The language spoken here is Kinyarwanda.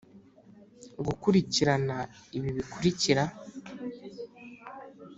Gukurikirana ibi bikurikira